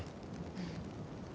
うん